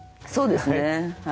そうですね。